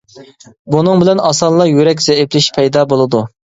بۇنىڭ بىلەن ئاسانلا يۈرەك زەئىپلىشىش پەيدا بولىدۇ.